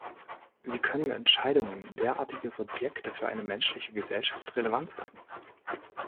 Wie können Entscheidungen derartiger Subjekte für eine menschliche Gesellschaft relevant sein?